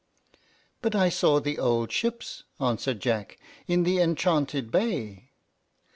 "But I saw the old ships," answered Jack, "in the enchanted bay."